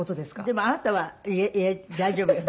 でもあなたは大丈夫よ。